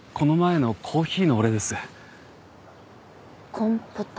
コンポタ。